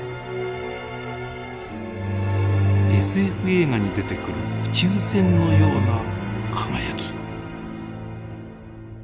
ＳＦ映画に出てくる宇宙船のような輝き。